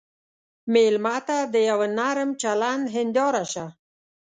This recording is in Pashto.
مېلمه ته د یوه نرم چلند هنداره شه.